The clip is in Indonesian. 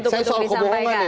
saya soal kebohongan ya